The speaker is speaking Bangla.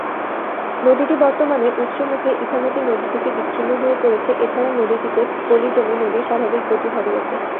নদীটি বর্তমানে উৎস মুখে ইছামতি নদী থেকে বিছিন্ন হয়ে পড়েছে এছাড়া নদীটিতে পলি জমে নদীর স্বাভাবিক গতি হারিয়েছে।